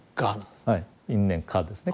はい因縁果ですね。